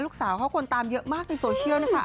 ลูกสาวเขาคนตามเยอะมากในโซเชียลนะคะ